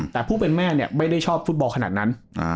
แต่ผู้เป็นแม่เนี่ยไม่ได้ชอบฟุตบอลขนาดนั้น